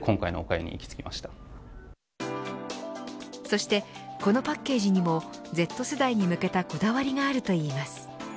そして、このパッケージにもＺ世代に向けたこだわりがあるといいます。